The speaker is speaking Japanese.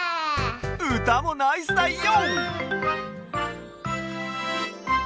うたもナイスだよ！